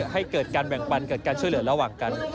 ให้เกิดการแบ่งปันเกิดการช่วยเหลือระหว่างกัน